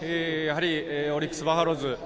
オリックスバファローズ